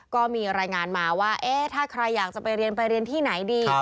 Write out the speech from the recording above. ก็มีรายงานมาว่าถ้าใครอยากจะไปเรียนไปเรียนที่ไหนดี